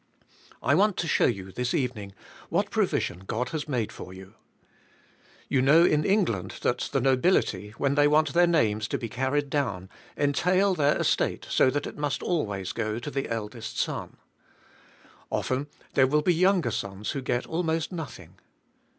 I want to show you this evening what pro vision God has made for you. You know in Eng land that the nobility when they want their names to be carried down, entail their estate so that it must always go to the eldest son. Often there will be younger sons who get almost nothing.